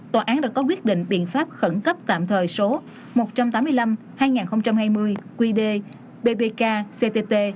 tòa án đã có quyết định biện pháp khẩn cấp tạm thời số một trăm tám mươi năm hai nghìn hai mươi qd bpk ctt